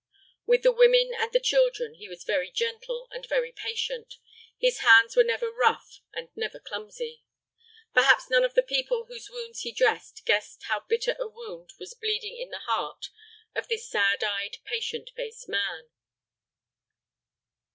With the women and the children he was very gentle and very patient. His hands were never rough and never clumsy. Perhaps none of the people whose wounds he dressed guessed how bitter a wound was bleeding in the heart of this sad eyed, patient faced man.